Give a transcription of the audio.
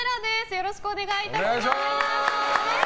よろしくお願いします。